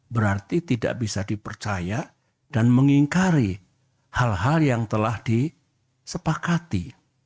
berarti tidak bisa dipercaya dan mengingkari hal hal yang telah disepakati